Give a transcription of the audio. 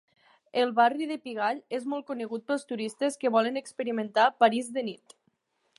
El barri de Pigalle és molt conegut pels turistes que volen experimentar "París de nit".